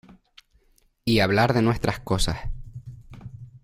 y hablar de nuestras cosas.